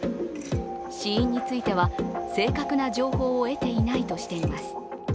死因については、正確な情報を得ていないとしています。